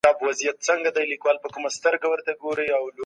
ازاده مطالعه له رنګینیو پیل کیږي.